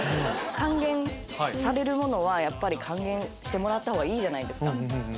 還元されるものはやっぱり還元してもらったほうがいいじゃないですか。